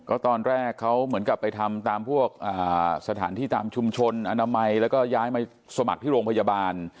ก็ตอนแรกเขาเหมือนกับไปทำตามพวกสถานที่ตามชุมชนอนามัยแล้วก็ย้ายมาสมัครที่โรงพยาบาล